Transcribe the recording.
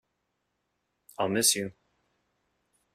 I’ll miss you.